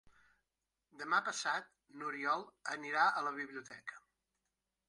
Demà passat n'Oriol anirà a la biblioteca.